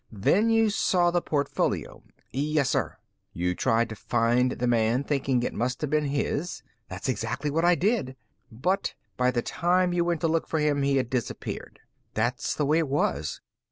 "Then you saw the portfolio." "Yes, sir." "You tried to find the man, thinking it must have been his." "That's exactly what I did." "But by the time you went to look for him, he had disappeared." "That's the way it was."